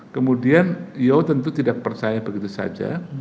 kemudian ya tentu tidak percaya begitu saja